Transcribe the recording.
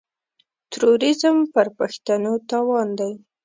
تروريزم پر پښتنو تاوان دی.